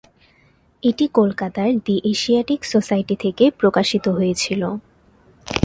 এটি কলকাতার the Asiatic Society থেকে প্রকাশিত হয়েছিল।